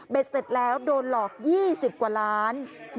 เสร็จแล้วโดนหลอก๒๐กว่าล้าน